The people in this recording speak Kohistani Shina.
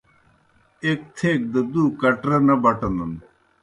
ایْک تھیک دہ دُو کھگرہ نہ بٹنَن